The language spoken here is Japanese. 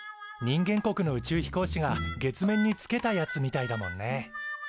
人間国の宇宙飛行士が月面につけたやつみたいだもんね。